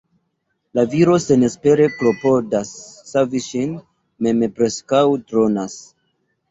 La viro senespere klopodas savi ŝin, mem preskaŭ dronas.